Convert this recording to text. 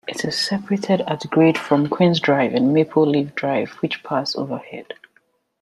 It is separated at-grade from Queens Drive and Maple Leaf Drive, which pass overhead.